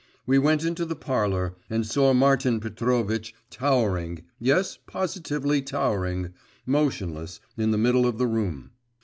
We went into the parlour, and saw Martin Petrovitch towering yes, positively towering motionless, in the middle of the room.